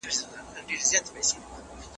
دولتي پوهنتون له اجازې پرته نه کارول کیږي.